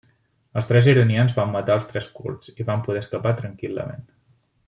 Els tres iranians van matar als tres kurds i van poder escapar tranquil·lament.